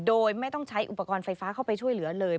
โดยไม่ต้องใช้อุปกรณ์ไฟฟ้าเข้าไปช่วยเหลือเลย